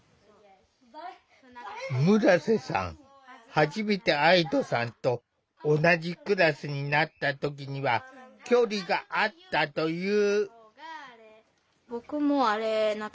初めて愛土さんと同じクラスになった時には距離があったという。